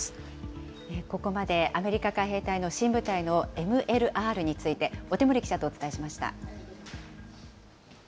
ここまで、アメリカ海兵隊の新部隊のＭＬＲについて小手森記者とお伝えしました。